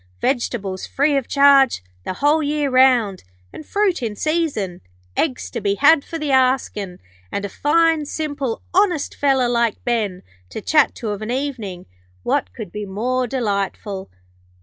Vegetables free of charge the whole year round, and fruit in season. Eggs to be had for the askin', and a fine, simple, honest feller like Ben, to chat to of an evening. What could be more delightful?'